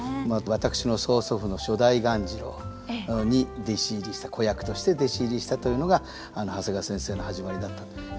私の曽祖父の初代鴈治郎に弟子入りした子役として弟子入りしたというのが長谷川先生の始まりだったと。